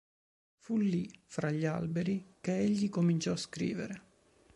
Fu lì, fra gli alberi, che egli cominciò a scrivere.